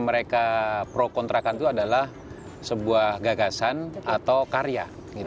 mereka pro kontrakan itu adalah sebuah gagasan atau karya